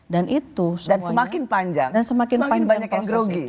dan semakin panjang semakin banyak yang grogi